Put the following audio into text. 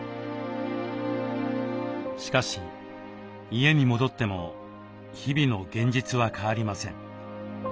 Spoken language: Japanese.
しかし家に戻っても日々の現実は変わりません。